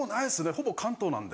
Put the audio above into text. ほぼ関東なんで。